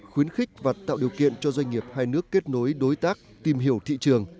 khuyến khích và tạo điều kiện cho doanh nghiệp hai nước kết nối đối tác tìm hiểu thị trường